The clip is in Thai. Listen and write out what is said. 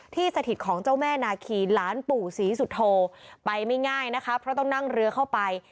สถิตของเจ้าแม่นาคีหลานปู่ศรีสุโธไปไม่ง่ายนะคะเพราะต้องนั่งเรือเข้าไป